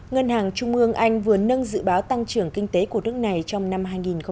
ngân hàng trung ương anh vừa nâng dự báo tăng trưởng kinh tế của nước này trong năm hai nghìn hai mươi